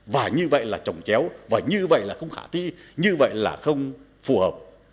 và như vậy là trồng chéo và như vậy là không khả thi như vậy là không phù hợp